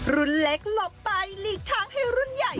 รุ่นเล็กหลบไปหลีกทางให้รุ่นใหญ่